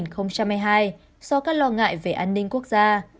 do các lo ngại về an ninh quốc gia